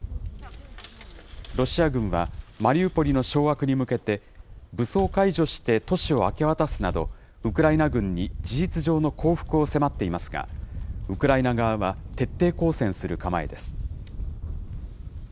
ロシア軍はマリウポリの掌握に向けて、武装解除して都市を明け渡すなど、ウクライナ軍に事実上の降伏を迫っていますが、ウクライナ側は徹底抗戦する構えです。